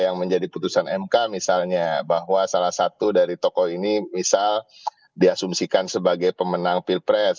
yang menjadi putusan mk misalnya bahwa salah satu dari tokoh ini misal diasumsikan sebagai pemenang pilpres